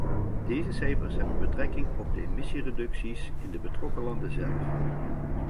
Deze cijfers hebben betrekking op emissiereducties in de betrokken landen zelf.